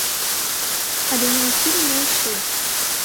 Але не ўсім і не ўсю.